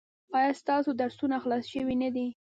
ایا ستاسو درسونه خلاص شوي نه دي؟